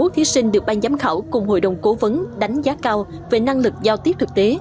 hai mươi thí sinh được ban giám khảo cùng hội đồng cố vấn đánh giá cao về năng lực giao tiếp thực tế